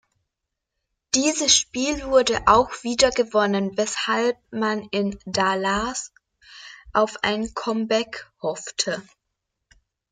Dieses Spiel wurde auch wieder gewonnen, weshalb man in Dallas auf ein Comeback hoffte.